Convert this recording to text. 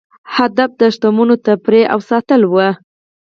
هدف د شتمنو تفریح او ساتل وو.